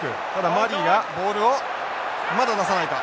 マリーがボールをまだ出さないか。